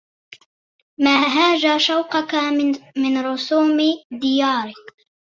ما هاج شوقك من رسوم ديار